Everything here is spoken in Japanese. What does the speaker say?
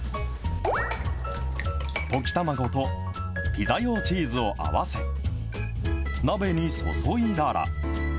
溶き卵とピザ用チーズを合わせ、鍋に注いだら。